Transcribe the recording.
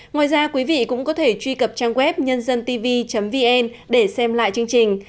ngoài ra quý vị cũng có thể truy cập trang web nhândântv vn để xem lại chương trình